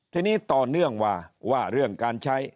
ทีนี้ต่อเนื่องมาว่าเรื่องการใช้